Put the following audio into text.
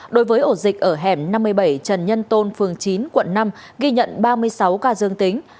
đối với ổ dịch ở hẻm năm mươi bảy trần nhân tôn phường chín quận năm ghi nhận ba mươi sáu ca dương tính